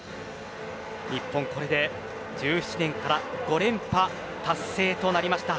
日本はこれで１７年５連覇達成となりました。